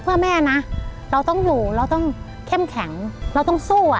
เพื่อแม่นะเราต้องอยู่เราต้องเข้มแข็งเราต้องสู้อ่ะ